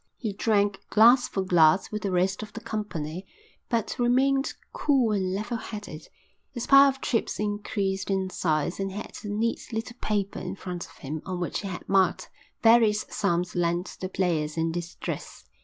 He drank glass for glass with the rest of the company, but remained cool and level headed. His pile of chips increased in size and he had a neat little paper in front of him on which he had marked various sums lent to players in distress.